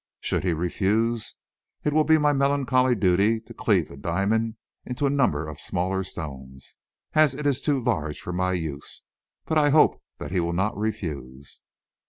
Should he refuse, it will be my melancholy duty to cleave the diamond into a number of smaller stones, as it is too large for my use. But I hope that he will not refuse.